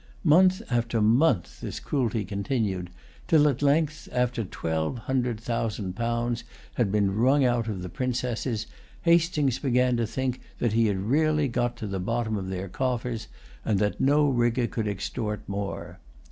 Month after month this cruelty continued, till at length, after twelve hundred thousand pounds had been wrung out of the Princesses, Hastings began to think that he had really got to the bottom of their coffers, and that no rigor could extort more.